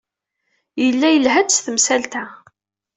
Yella yelha-d s temsalt-a.